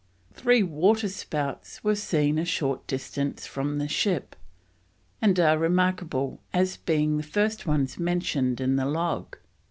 Three waterspouts were seen a short distance from the ship, and are remarkable as being the first ones mentioned in the log.